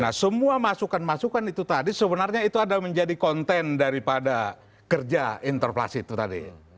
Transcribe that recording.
nah semua masukan masukan itu tadi sebenarnya itu ada menjadi konten daripada kerja interpelasi itu tadi